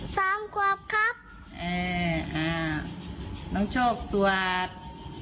สามขวบครับอ่าน้องโชคสวัสดิ์